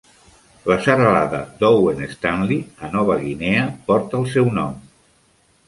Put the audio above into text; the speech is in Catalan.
La serralada d'Owen Stanley a Nova Guinea porta el seu nom.